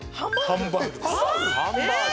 ハンバーグ？